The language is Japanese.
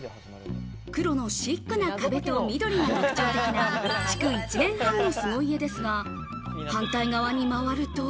黒のシックな壁と緑が特徴的な築１年半の凄家ですが、反対側に回ると。